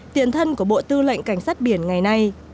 tiền thân của bộ tư lệnh cảnh sát biển ngày nay